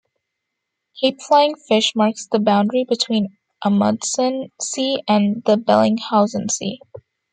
Cape Flying Fish marks the boundary between the Amundsen Sea and the Bellingshausen Sea.